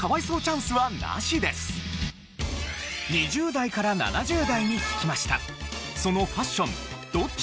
２０代から７０代に聞きました。